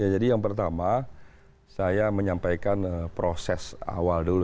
ya jadi yang pertama saya menyampaikan proses awal dulu